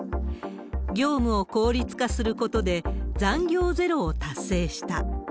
業務を効率化することで、残業ゼロを達成した。